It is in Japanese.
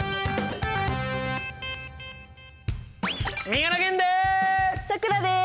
三浦玄です！